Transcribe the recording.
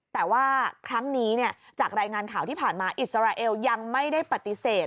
แต่ว่าครั้งนี้จากรายงานข่าวที่ผ่านมาอิสราเอลยังไม่ได้ปฏิเสธ